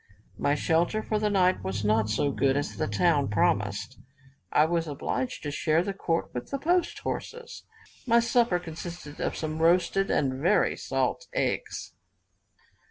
My shelter for the night was not so good as the town promised: I was obliged to share the court with the post horses. My supper consisted of some roasted and very salt eggs.